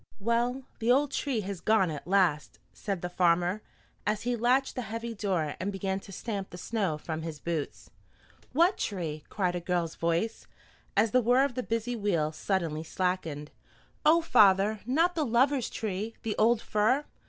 "Well, the old tree has gone at last," said the farmer, as he latched the heavy door and began to stamp the snow from his boots. "What tree?" cried a girl's voice, as the whir of the busy wheel suddenly slackened. "Oh, father, not the Lovers' Tree, the old fir?